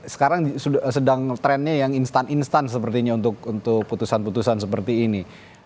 sekarang sedang trendnya yang instan instan sepertinya untuk putusan putusan seperti ini